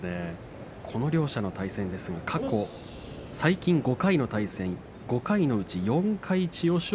この両者の対戦は過去、最近５回の対戦５回のうち４回、千代翔